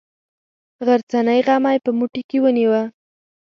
غرڅنۍ غمی په موټي کې ونیوه.